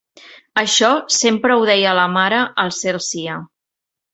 Això, sempre ho deia la mare, al cel sia.